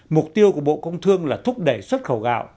mục tiêu của bộ công thương là thúc đẩy xuất khẩu gạo